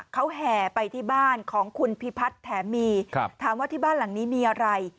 เขาแห่ไปที่บ้านของคุณพิพัฒน์แถมมีถามว่าที่บ้านหลังนี้มีอะไร